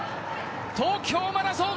東京マラソン